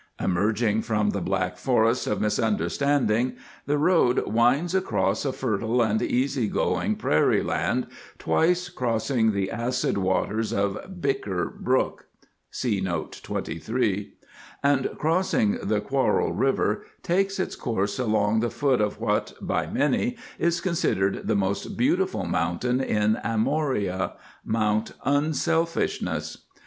Emerging from the Black Forest of Misunderstanding the road winds across a fertile and easy going prairie land, twice crossing the acid waters of Bicker Brook (see note 23), and crossing the Quarrel River takes its course along the foot of what, by many, is considered the most beautiful mountain in Amoria, Mount Unselfishness.